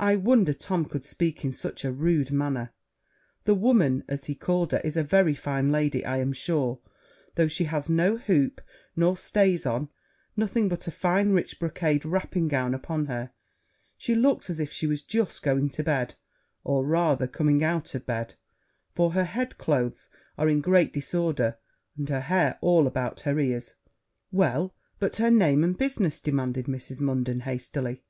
I wonder Tom could speak in such a rude manner; the woman, as he called her, is a very fine lady, I am sure, though she has no hoop nor stays on nothing but a fine rich brocade wrapping gown upon her: she looks as if she was just going to bed, or rather coming out of bed, for her head cloaths are in great disorder, and her hair all about her ears.' 'Well, but her name and business,' demanded Mrs. Munden hastily.